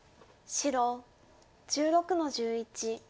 白１６の十一。